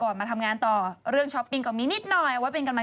นั่งเลือดเนอะ